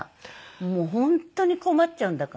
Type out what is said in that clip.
もう本当に困っちゃうんだから。